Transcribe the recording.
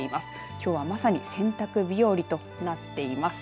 きょうはまさに洗濯日和となっています。